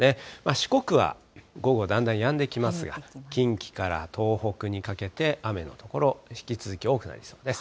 四国は午後、だんだんやんできますが、近畿から東北にかけて、雨の所、引き続き多くなりそうです。